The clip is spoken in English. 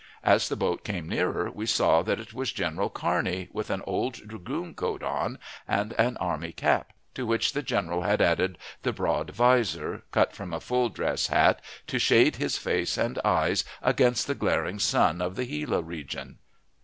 As the boat came nearer, we saw that it was General Kearney with an old dragoon coat on, and an army cap, to which the general had added the broad vizor, cut from a full dress hat, to shade his face and eyes against the glaring sun of the Gila region.